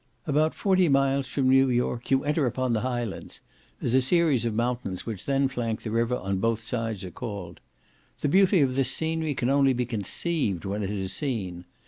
About forty miles from New York you enter upon the Highlands, as a series of mountains which then flank the river on both sides, are called. The beauty of this scenery can only be conceived when it is seen.